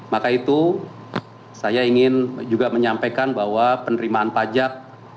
maka itu saya ingin juga menyampaikan bahwa penerimaan pajak